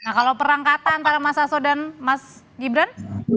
nah kalau perang kata antara mas astro dan mas gibran